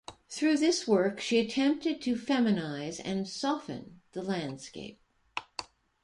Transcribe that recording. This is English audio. Through this work she attempted to "feminize" and "soften" the landscape.